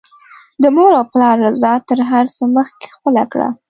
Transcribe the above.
د مور او پلار رضاء تر هر څه مخکې خپله کړه